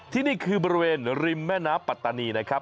ที่นี่คือบริเวณริมแม่น้ำปัตตานีนะครับ